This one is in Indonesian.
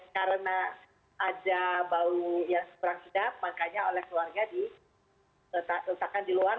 karena ada bau yang sedap makanya oleh keluarga diletakkan di luar